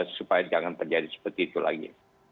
supaya jangan terjadi seperti itu lagi